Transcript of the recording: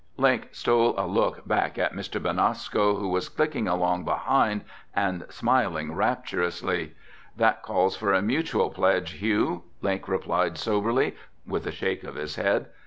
Link stole a look back at Mr. Benasco who was clicking along behind and smiling rapturously. "That calls for a mutual pledge, Hugh," Link replied soberly, with a shake of his head.